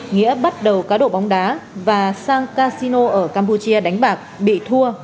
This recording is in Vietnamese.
nghĩa bắt đầu cá độ bóng đá và sang casino ở campuchia đánh bạc bị thua